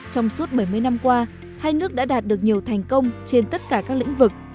trong suốt bảy mươi năm qua hai nước đã đạt được nhiều thành công trên tất cả các lĩnh vực